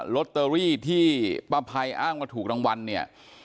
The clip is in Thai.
ลอตเตอรี่ที่ประไพรอ้างว่าถูกตั้งวันเนี่ย